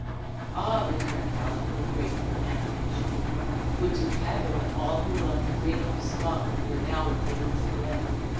"Ah!" returned Helen, with grateful animation, "would to Heaven that all who love the freedom of Scotland were now within this glen!